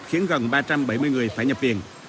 khiến gần ba trăm bảy mươi người phải nhập viện